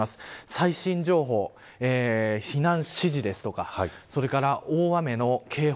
最新情報、避難指示ですとかそれから大雨の警報